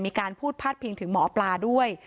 มีการพูดพาดพิงถึงหมอปลาด้วย